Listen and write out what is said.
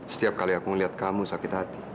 setiap kali aku melihat kamu sakit hati